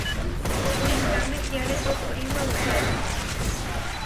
Kuitá meʼyáre totóri wewerétu.